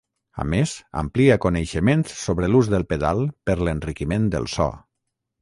A més, amplia coneixements sobre l'ús del pedal per l'enriquiment del so.